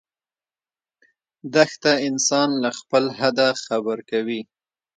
دښته انسان له خپل حده خبر کوي.